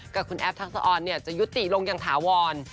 กับคุณแอฟทักษะออนจะยุติลงอย่างถาวร